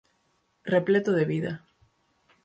Repleto de vida